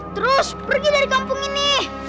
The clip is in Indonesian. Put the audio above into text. terus pergi dari kampung ini